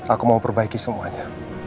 aku mau perbaiki semuanya